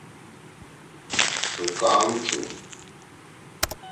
تُو کام تُھو؟